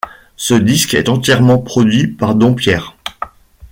Ce disque est entièrement produit par Dompierre.